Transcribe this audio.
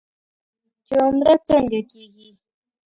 چې عمره څنګه کېږي.